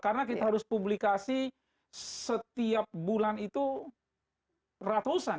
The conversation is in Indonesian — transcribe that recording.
karena kita harus publikasi setiap bulan itu ratusan